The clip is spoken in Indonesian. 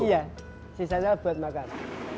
iya sisanya buat makan